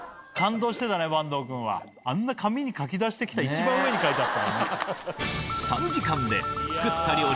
坂東君はあんな紙に書き出して来た一番上に書いてあったからね。